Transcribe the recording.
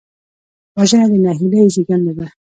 وژنه د نهیلۍ زېږنده ده